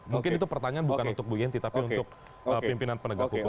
mungkin itu pertanyaan bukan untuk bu yenti tapi untuk pimpinan penegak hukum